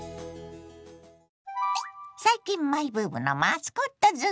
最近マイブームのマスコットづくり。